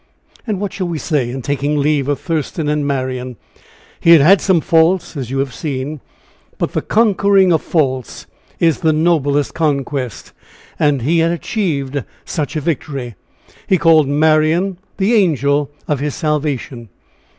And what shall we say in taking leave of Thurston and Marian? He had had some faults, as you have seen but the conquering of faults is the noblest conquest, and he had achieved such a victory. He called Marian the angel of his salvation.